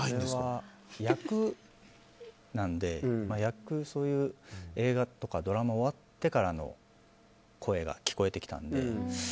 役なので、そういう映画とかドラマが終わってからの声が聞こえてきたので。